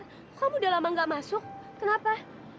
kok kamu udah lama nggak masuk kenapa